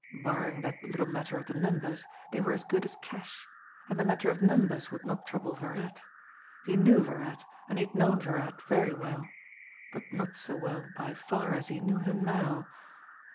Barring that little matter of the numbers, they were as good as cash and the matter of numbers would not trouble Virat. He knew Virat, and he had known Virat very well but not so well by far as he knew him now!